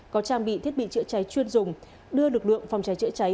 có trang bị thiết bị chữa cháy chuyên dùng đưa lực lượng phòng cháy chữa cháy